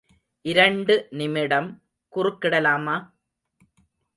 இரண்டு நிமிடம் குறுக்கிடலாமா?